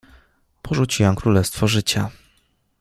Porzuciłam królestwo życia.